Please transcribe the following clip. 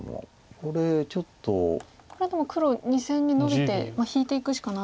これでも黒２線にノビて引いていくしかない。